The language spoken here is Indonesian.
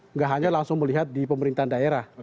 nggak hanya langsung melihat di pemerintahan daerah